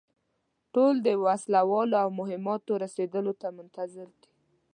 ټول د وسلو او مهماتو رسېدلو ته منتظر دي.